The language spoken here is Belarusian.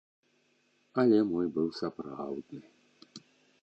Але мой быў сапраўдны.